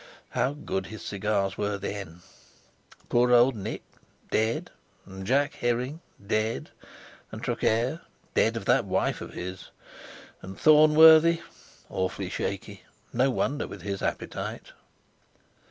How good his cigars were then! Poor old Nick!—dead, and Jack Herring—dead, and Traquair—dead of that wife of his, and Thornworthy—awfully shaky (no wonder, with his appetite).